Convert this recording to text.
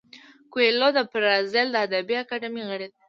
کویلیو د برازیل د ادبي اکاډمۍ غړی دی.